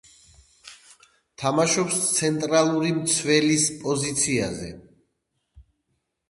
თამაშობს ცენტრალური მცველის პოზიციაზე.